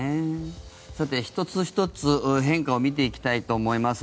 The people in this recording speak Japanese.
さて、１つ１つ変化を見ていきたいと思います。